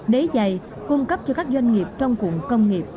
đế dày cung cấp cho các doanh nghiệp trong cụm công nghiệp